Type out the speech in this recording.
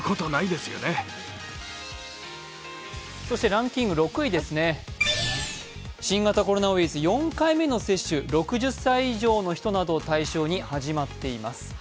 ランキング６位ですね、新型コロナウイルス４回目の接種、６０歳以上の人などを対象に始まっています。